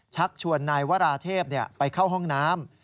ชักชวนนายวราเทพไปเข้าห้องน้ำ